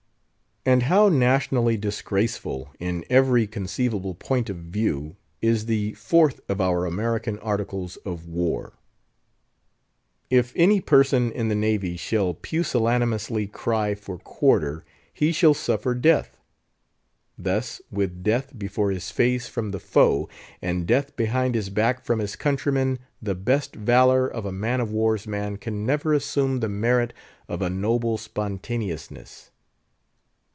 And how nationally disgraceful, in every conceivable point of view, is the IV. of our American Articles of War: "If any person in the Navy shall pusillanimously cry for quarter, he shall suffer death." Thus, with death before his face from the foe, and death behind his back from his countrymen, the best valour of a man of war's man can never assume the merit of a noble spontaneousness.